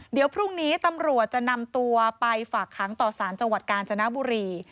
เดี๋ยวพรุ่งนี้ตำรวจจะนำตัวไปฝากค้างต่อสารจังหวัดกาญจนบุรี